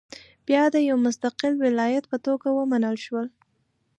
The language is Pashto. بیا د یو مستقل ولایت په توګه ومنل شول.